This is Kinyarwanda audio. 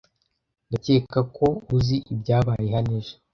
Ndakeka ko uzi ibyabaye hano ejo.